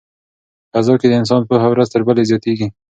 په فضا کې د انسان پوهه ورځ تر بلې زیاتیږي.